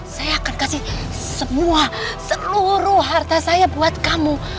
saya akan kasih semua seluruh harta saya buat kamu